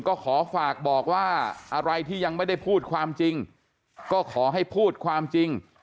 ก็ขอฝากบอกว่าอะไรที่ยังไม่ได้พูดความจริงก็ขอให้พูดความจริง